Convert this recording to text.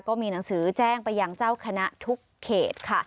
ก็มีหนังสือแจ้งไปยังเจ้าคณะทุกเขตค่ะ